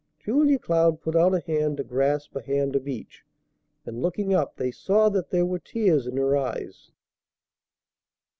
Julia Cloud put out a hand to grasp a hand of each; and, looking up, they saw that there were tears in her eyes.